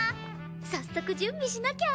早速準備しなきゃ！